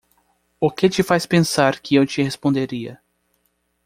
O que te faz pensar que eu te responderia?